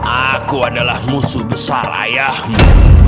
aku adalah musuh besar ayahmu